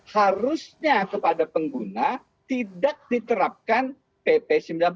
harusnya kepada pengguna tidak diterapkan pp sembilan puluh sembilan